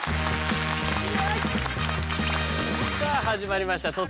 さあ始まりました